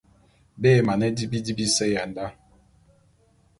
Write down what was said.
Be mane di bidi bise ya menda.